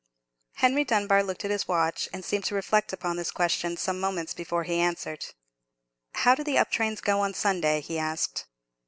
Henry Dunbar looked at his watch, and seemed to reflect upon this question some moments before he answered. "How do the up trains go on a Sunday?" he asked.